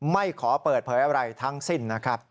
ไม่ขอเปิดเผยอะไรทั้งสิ้นนะครับ